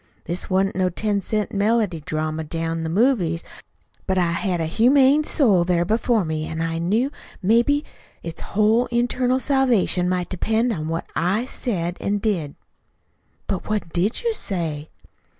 This wa'n't no ten cent melodydrama down to the movies, but I had a humane soul there before me, an' I knew maybe it's whole internal salvation might depend on what I said an' did." "But what DID you say?"